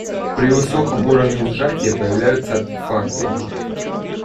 При высоком уровне сжатия появятся артефакты